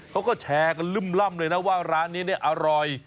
เขาก็แชร์กันลึ่มเลยนะว่าร้านนี้เนี่ยอร่อย